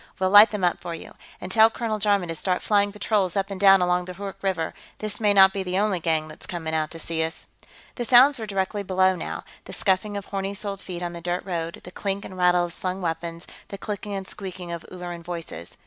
We'll light them up for you. And tell Colonel Jarman to start flying patrols up and down along the Hoork River; this may not be the only gang that's coming out to see us." The sounds were directly below, now the scuffing of horny soled feet on the dirt road, the clink and rattle of slung weapons, the clicking and squeeking of Ulleran voices.